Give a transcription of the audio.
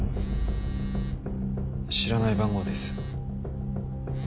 知らない番号です。